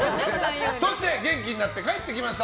そして、元気になって帰ってきました